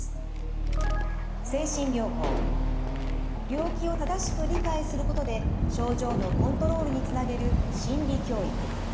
病気を正しく理解することで症状のコントロールにつなげる心理教育。